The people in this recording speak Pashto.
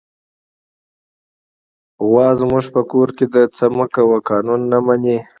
غوا زموږ په کور کې د "څه مه کوه" قانون نه مني.